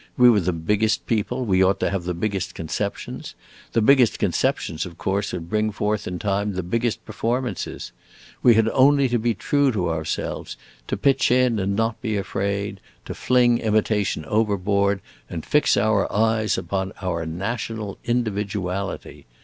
We were the biggest people, and we ought to have the biggest conceptions. The biggest conceptions of course would bring forth in time the biggest performances. We had only to be true to ourselves, to pitch in and not be afraid, to fling Imitation overboard and fix our eyes upon our National Individuality.